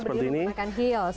saya berdiri menggunakan heels oke